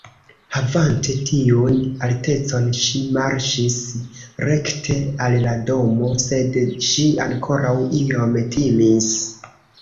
Havante tiun altecon ŝi marŝis rekte al la domo, sed ŝi ankoraŭ iom timis.